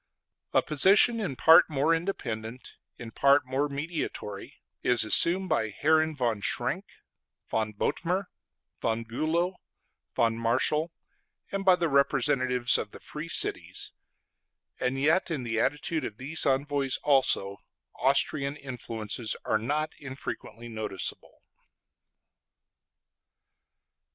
A position in part more independent, in part more mediatory, is assumed by Herren von Schrenk, von Bothmer, von Bülow, von Marschall, and by the representatives of the Free Cities; and yet in the attitude of these envoys also, Austrian influences are not infrequently noticeable.